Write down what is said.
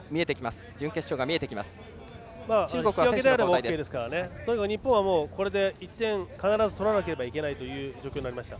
とにかく日本はこれで１点を必ず取らなければいけないという状況になりました。